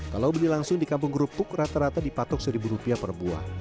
kalau beli langsung di kampung kerupuk rata rata dipatok rp satu per buah